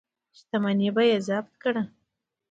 شتمني به یې ضبط کړه.